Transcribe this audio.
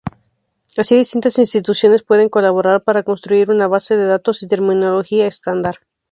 Así, distintas instituciones pueden colaborar para construir una base de datos y terminología estándar.